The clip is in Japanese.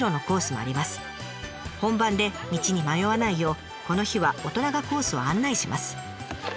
本番で道に迷わないようこの日は大人がコースを案内します。